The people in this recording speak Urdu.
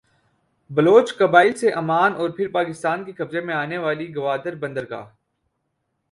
بلوچ قبائل سے عمان اور پھر پاکستان کے قبضے میں آنے والی گوادربندرگاہ